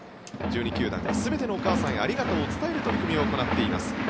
１２球団が全てのお母さんへありがとうを伝える取り組みを行っています。